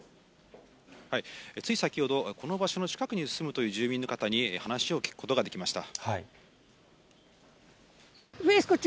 つい先ほど、この場所の近くに住むという住民の方に話を聞くことができました。